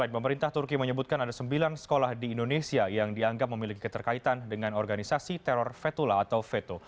pemerintah turki menyebutkan ada sembilan sekolah di indonesia yang dianggap memiliki keterkaitan dengan organisasi teror fetula atau veto